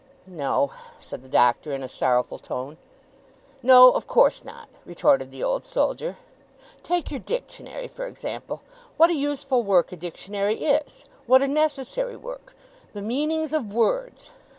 'No,' said the Doctor, in a sorrowful tone. 'No, of course not,' retorted the Old Soldier. 'Take your Dictionary, for example. What a useful work a Dictionary is! What a necessary work! The meanings of words!